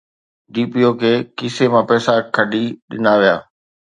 D P O کي کيسي مان پئسا ڪٿي ڏنا ويا؟